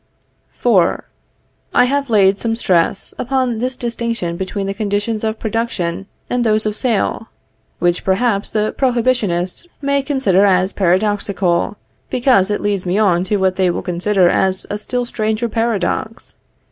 IV. I have laid some stress upon this distinction between the conditions of production and those of sale, which perhaps the prohibitionists may consider as paradoxical, because it leads me on to what they will consider as a still stranger paradox.